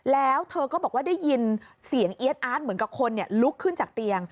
แล้วเธอก็บอกว่าได้ยินเสียงเอี๊ยดอาร์ตเหมือนกับคนลุกขึ้นจากเตียง